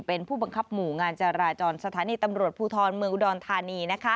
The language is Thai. เป็นผู้บังคับหมู่งานจราจรสถานีตำรวจภูทรเมืองอุดรธานี